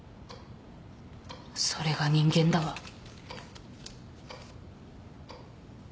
それが人間だわ。